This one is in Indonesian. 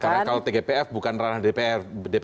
karena kalau tgpf bukan ranah dpr begitu ya